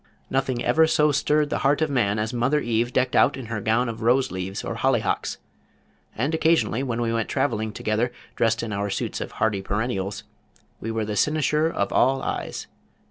Nothing ever so stirred the heart of man as Mother Eve decked out in her gown of rose leaves, or hollyhocks; and occasionally when we went travelling together dressed in our suits of hardy perennials, we were the cynosure of all eyes.